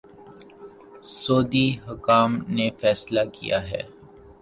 سعودی حکام نے فیصلہ کیا ہے